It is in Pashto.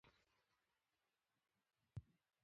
څېړونکي د انسان، بیزو او موږکانو کولمو پرتله وکړه.